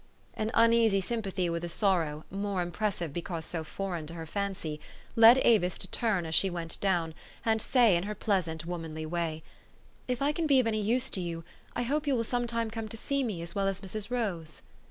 An uneas} 7 sympathy with a sorrow, more impres sive because so foreign to her fancy, led Avis to turn as she went down, and say in her pleasant, womanly way, " If I can be of any use to 3 T ou, I hope you will some time come to see me as well as Mrs. Rose."